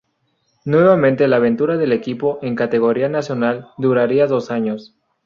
Nuevamente la aventura del equipo en categoría nacional duraría dos años.